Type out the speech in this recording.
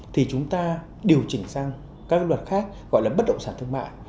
thì chúng ta điều chỉnh sang các luật khác gọi là bất động sản thương mại